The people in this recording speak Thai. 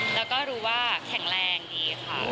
แล้วก็รู้ว่าแข็งแรงดีค่ะ